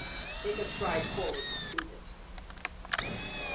"Take a stride forward to prove it."